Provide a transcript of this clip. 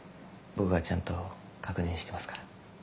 僕がちゃんと確認してますから。